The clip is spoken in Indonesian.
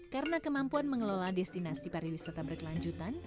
karena kemampuan mengelola destinasi pariwisata berkelanjutan